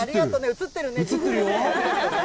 映ってるね。